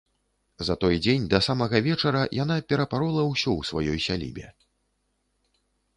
За той дзень, да самага вечара, яна перапарола ўсё ў сваёй сялібе.